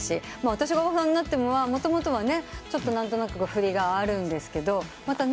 『私がオバさんになっても』はもともとは何となく振りがあるんですけどまたね